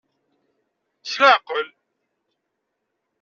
S leɛqel!